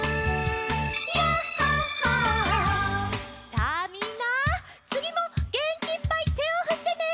さあみんなつぎもげんきいっぱいてをふってね。